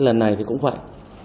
lần này thì cũng vậy